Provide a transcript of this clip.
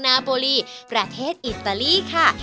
นาโบรีประเทศอิตาลีค่ะ